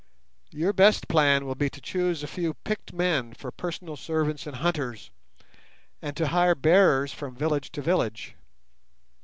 Your best plan will be to choose a few picked men for personal servants and hunters, and to hire bearers from village to village.